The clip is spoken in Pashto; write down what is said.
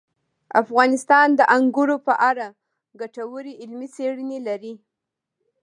افغانستان د انګورو په اړه ګټورې علمي څېړنې لري.